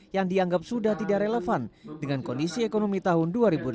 yang dianggap sudah tidak relevan dengan kondisi ekonomi tahun dua ribu delapan belas